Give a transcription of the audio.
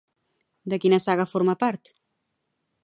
De quina saga forma part?